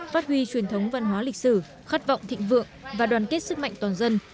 phát huy truyền thống văn hóa lịch sử khát vọng thịnh vượng và đoàn kết sức mạnh toàn dân